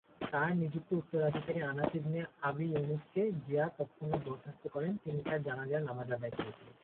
তার নিযুক্ত উত্তরাধিকারী আনাস ইবনে আবি ইউনুস কে জিয়াদ তৎক্ষণাৎ বরখাস্ত করেন, তিনি তার জানাজার নামাজ আদায় করেছিলেন।